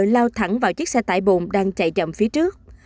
lao thẳng vào chiếc xe tải bồn đang chạy chậm phía trước